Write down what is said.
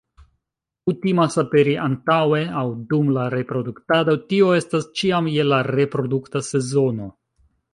Kutimas aperi antaŭe aŭ dum la reproduktado, tio estas ĉiam je la reprodukta sezono.